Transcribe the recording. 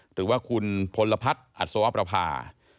หรือว่าคุณพลพัฒน์อัศวประภา